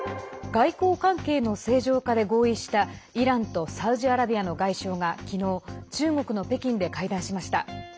外交関係の正常化で合意したイランとサウジアラビアの外相が昨日、中国の北京で会談しました。